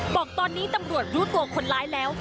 บอกตอนนี้ตำรวจรู้ตัวคนร้ายแล้ว